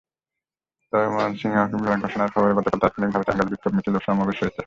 তবে ময়মনসিংহকে বিভাগ ঘোষণার খবরে গতকাল তাৎক্ষণিকভাবে টাঙ্গাইলে বিক্ষোভ মিছিল এবং সমাবেশ হয়েছে।